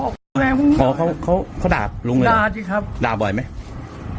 เขาด่าลุงเลยด่าบ่อยไหม